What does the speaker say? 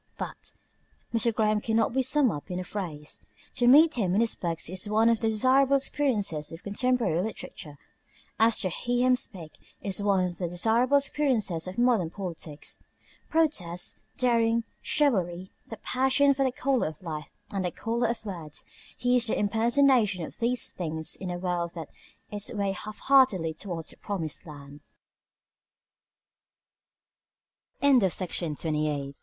But Mr. Graham cannot be summed up in a phrase. To meet him in his books is one of the desirable experiences of contemporary literature, as to hear him speak is one of the desirable experiences of modern politics. Protest, daring, chivalry, the passion for the colour of life and the colour of words he is the impersonation of these things in a world that is muddling its way half heartedly towards the Promis